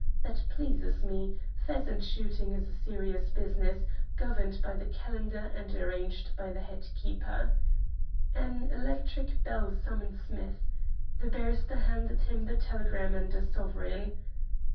That pleases me. Pheasant shooting is a serious business, governed by the calendar and arranged by the head keeper." An electric bell summoned Smith. The barrister handed him the telegram and a sovereign.